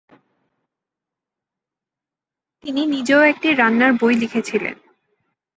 তিনি নিজেও একটি রান্নার বই লিখেছিলেন।